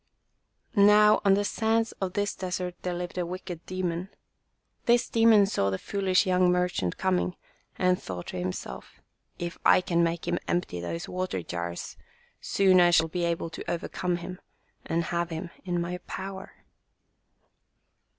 Now on the sands of this desert there lived a wicked demon. This demon saw the foolish young merchant coming and thought to himself, "If I can make him empty those water jars, soon I shall be able to over come him and have him in my power."